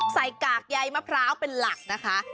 กากใยมะพร้าวเป็นหลักนะคะ